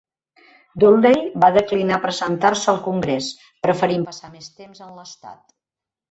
Dudley va declinar presentar-se al Congrés, preferint passar més temps en l'estat.